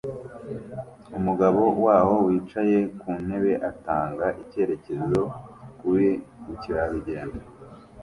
Umugabo waho wicaye ku ntebe atanga icyerekezo kuri mukerarugendo